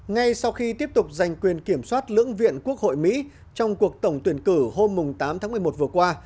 ngay sau khi tiếp tục giành quyền kiểm soát lưỡng viện quốc hội mỹ trong cuộc tổng tuyển cử hôm tám tháng một mươi một vừa qua